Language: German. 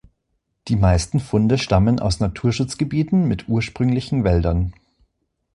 Die meisten Funde stammen aus Naturschutzgebieten mit ursprünglichen Wäldern.